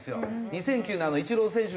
２００９のイチロー選手がね